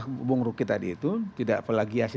bung ruki tadi itu tidak pelagiasi